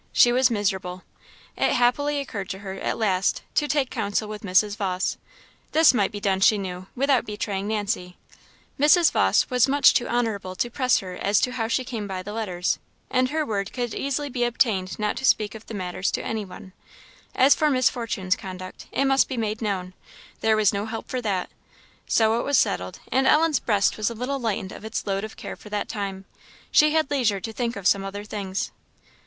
She was miserable. It happily occurred to her, at last, to take counsel with Mrs. Vawse; this might be done, she knew, without betraying Nancy; Mrs. Vawse was much too honourable to press her as to how she came by the letters, and her word could easily be obtained not to speak of the affairs to any one. As for Miss Fortune's conduct, it must be made known; there was no help for that. So it was settled; and Ellen's breast was a little lightened of its load of care for that time; she had leisure to think of some other things.